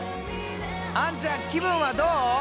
あんちゃん気分はどう？